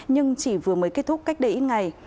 nhưng chỉ vừa mới kết thúc cách đây ít ngày